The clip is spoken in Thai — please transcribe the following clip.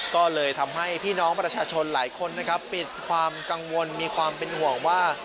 ก็เลยทำให้พี่น้องประชาชนหลายคนนะครับปิดความกังวลมีความเป็นห่วงว่า